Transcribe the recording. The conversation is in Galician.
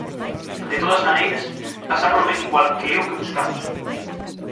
De todas maneiras, pasámolo ben igual que é o que buscamos.